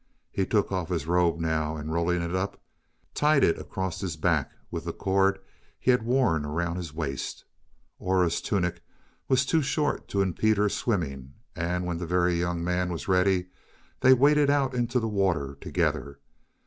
He took off his robe now, and rolling it up, tied it across his back with the cord he had worn around his waist. Aura's tunic was too short to impede her swimming and when the Very Young Man was ready, they waded out into the water together.